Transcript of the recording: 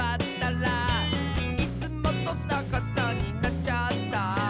「いつもとさかさになっちゃった」